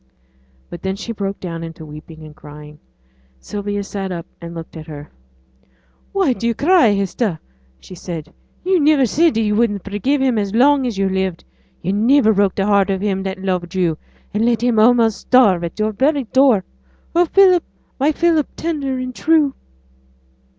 But then she broke down into weeping and crying. Sylvia sat up and looked at her. 'Why do yo' cry, Hester?' she said. 'Yo' niver said that yo' wouldn't forgive him as long as yo' lived. Yo' niver broke the heart of him that loved yo', and let him almost starve at yo'r very door. Oh, Philip! my Philip, tender and true.'